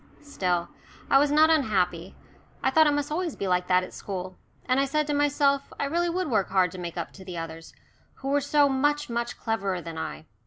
Still, I was not unhappy. I thought it must be always like that at school, and I said to myself I really would work hard to make up to the others, who were so much, much cleverer than I.